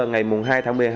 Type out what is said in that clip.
ngày hai tháng một mươi hai